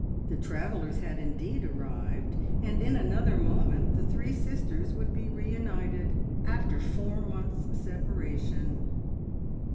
The travellers had indeed arrived, and in another moment the three sisters would be reunited, after four months' separation.